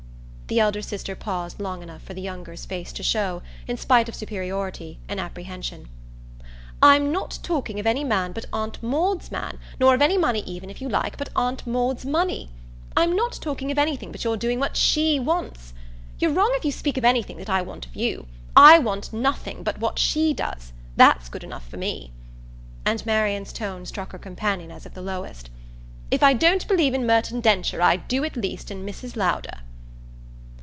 The elder sister paused long enough for the younger's face to show, in spite of superiority, an apprehension. "I'm not talking of any man but Aunt Maud's man, nor of any money even, if you like, but Aunt Maud's money. I'm not talking of anything but your doing what SHE wants. You're wrong if you speak of anything that I want of you; I want nothing but what she does. That's good enough for me!" and Marian's tone struck her companion as of the lowest. "If I don't believe in Merton Densher I do at least in Mrs. Lowder."